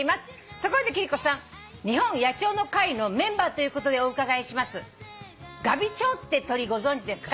「ところで貴理子さん日本野鳥の会のメンバーということでお伺いします」「ガビチョウって鳥ご存じですか？」